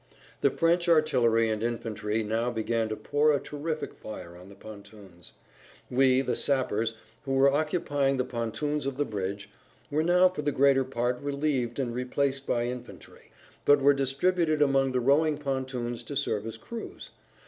The French artillery and infantry now began to pour a terrific fire on the pontoons. We, the sappers, who were occupying the pontoons of the bridge, were now for the greater part relieved and replaced by infantry, but were distributed among the rowing pontoons to serve as crews.